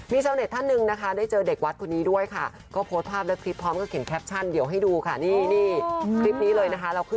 ชาวเน็ตท่านหนึ่งนะคะได้เจอเด็กวัดคนนี้ด้วยค่ะก็โพสต์ภาพและคลิปพร้อมกับเขียนแคปชั่นเดี๋ยวให้ดูค่ะนี่คลิปนี้เลยนะคะ